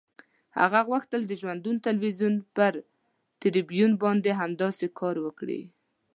هغه غوښتل د ژوندون تلویزیون پر تریبیون باندې همداسې کار وکړي.